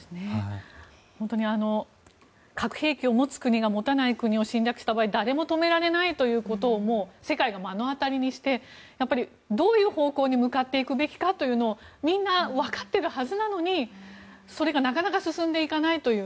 本当に核兵器を持つ国が持たない国を侵略した場合誰も止められないということを世界が目の当たりにしてどういう方向に向かっていくべきかというのをみんなわかっているはずなのにそれがなかなか進んでいかないという。